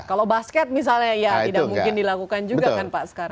kalau basket misalnya ya tidak mungkin dilakukan juga kan pak sekarang